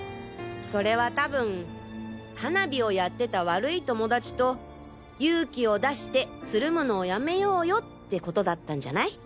それは多分花火をやってた悪い友達と勇気を出してつるむのをやめようよってことだったんじゃない？